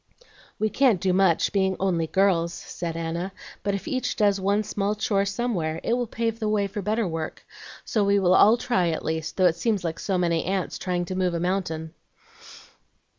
"We can't do much, being 'only girls,'" said Anna; "but if each does one small chore somewhere it will pave the way for better work; so we will all try, at least, though it seems like so many ants trying to move a mountain."